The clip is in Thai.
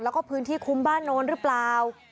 แล้วก็พื้นที่คุ้มบ้านโน้นหรือเปล่า